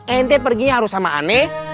ente perginya harus sama aneh